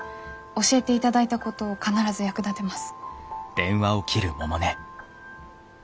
教えていただいたこと必ず役立てます。